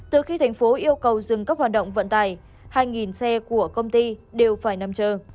từ khi thành phố yêu cầu dừng các hoạt động vận tải hai xe của công ty đều phải nằm chờ